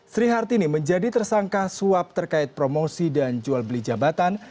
sri hartini menjadi tersangka suap terkait promosi dan jual beli jabatan